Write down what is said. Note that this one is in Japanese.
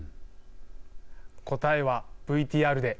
答えはＶＴＲで。